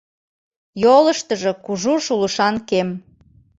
Йолыштыжо кужу шулышан кем.